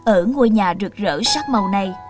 ở ngôi nhà rực rỡ sắc màu này